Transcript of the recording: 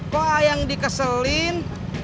kok aa yang dikeselin